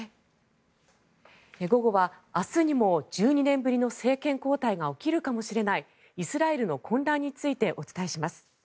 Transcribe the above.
午後は明日にも１２年ぶりの政権交代が起きるかもしれないイスラエルの混乱についてお伝えします。